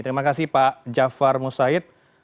terima kasih pak jafar musaid